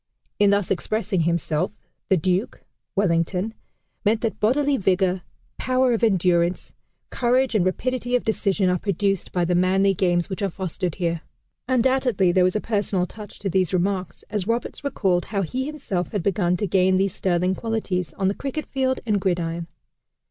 In thus expressing himself, the Duke (Wellington) meant that bodily vigor, power of endurance, courage, and rapidity of decision are produced by the manly games which are fostered here." Undoubtedly there was a personal touch to these remarks, as Roberts recalled how he himself had begun to gain these sterling qualities on the cricket field and gridiron.